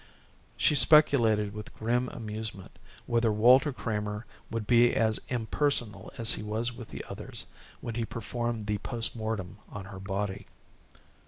She speculated with grim amusement whether Walter Kramer would be as impersonal as he was with the others, when he performed the post mortem on her body.